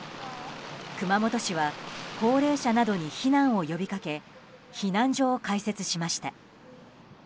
熊本市は高齢者などに避難を呼びかけ避難所を開設しました。